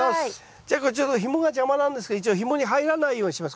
じゃあこれちょっとひもが邪魔なんですけど一応ひもに入らないようにします。